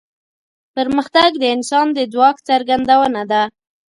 پرمختګ د انسان د ځواک څرګندونه ده.